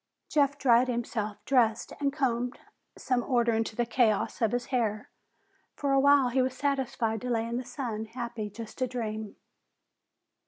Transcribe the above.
Jeff dried himself, dressed and combed some order into the chaos of his hair. For a while he was satisfied to lay in the sun, happy just to dream.